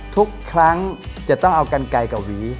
ทุกครั้งจะต้องเอากันไกลกับหวี